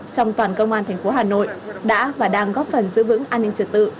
trong toàn công an thành phố hà nội đã và đang góp phần giữ vững an ninh trật tự